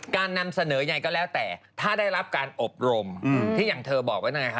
นำเสนอยังไงก็แล้วแต่ถ้าได้รับการอบรมที่อย่างเธอบอกไว้นั่นไง